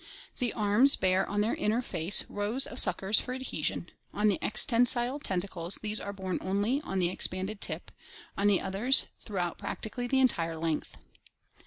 The arms bear on their inner face rows of suckers for adhesion; on the ex tensile tentacles these are borne only on the expanded tip, on the others, throughout practically the entire length.